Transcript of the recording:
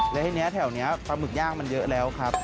แล้วทีนี้แถวนี้ปลาหมึกย่างมันเยอะแล้วครับ